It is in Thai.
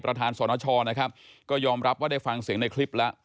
สนชนะครับก็ยอมรับว่าได้ฟังเสียงในคลิปแล้ว